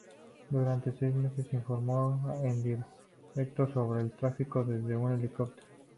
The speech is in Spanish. Durante seis meses informó en directo sobre el tráfico desde un helicóptero.